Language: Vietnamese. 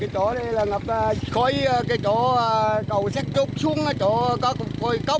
tại chỗ cầu xét trúc xuống chỗ có cột côi cống